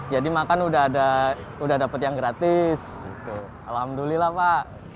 jadi makan udah ada udah dapat yang gratis alhamdulillah pak